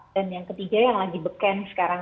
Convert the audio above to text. dan yang ketiga yang lagi beken sekarang